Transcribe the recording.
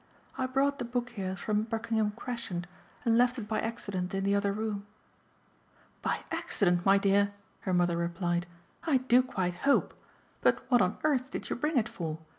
"I brought the book here from Buckingham Crescent and left it by accident in the other room." "By accident, my dear," her mother replied, "I do quite hope. But what on earth did you bring it for?